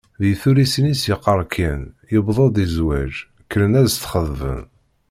Deg tullisin-is yeqqar kan: “yewweḍ-d i zzwaj, kkren ad s-d-xeḍben”.